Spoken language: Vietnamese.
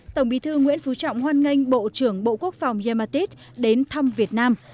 tổng bí thư nguyễn phú trọng hoan nghênh bộ trưởng bộ quốc phòng james mattis đến thăm việt nam